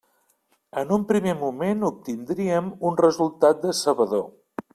En un primer moment obtindríem un resultat decebedor.